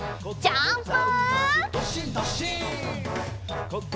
ジャンプ！